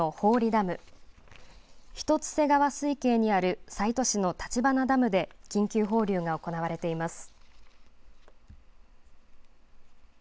ダム一ッ瀬川水系にある西都市の立花ダムで緊急放流が行われています。